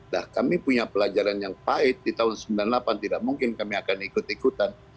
nah kami punya pelajaran yang pahit di tahun seribu sembilan ratus sembilan puluh delapan tidak mungkin kami akan ikut ikutan